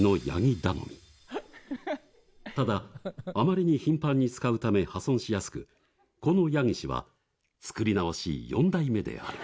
・ただあまりに頻繁に使うため破損しやすくこのヤギ氏は作り直し４代目である。